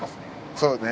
そうね。